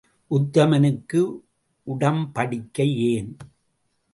உத்தமனுக்கு உடம்படிக்கை ஏன்?